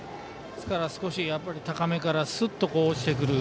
ですから、少し高めからすっと落ちてくる。